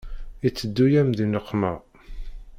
Iteddu-yam di nneqma.